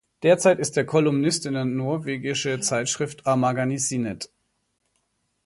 Derzeit ist er Kolumnist in der norwegische Zeitschrift A-magasinet.